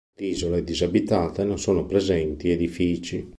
L'isola è disabitata e non sono presenti edifici.